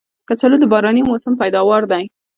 کچالو د باراني موسم پیداوار دی